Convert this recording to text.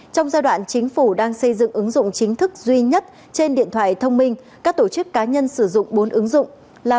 trong giai đoạn chính phủ đang xây dựng ứng dụng chính thức duy nhất trên điện thoại thông minh các tổ chức cá nhân sử dụng bốn ứng dụng là